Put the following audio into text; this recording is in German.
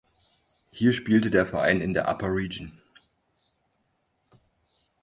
Hier spielte der Verein in der Upper Region.